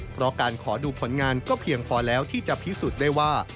เพราะการขอดูผลงานก็เพียงพอแล้วที่จะพิสูจน์ได้ว่า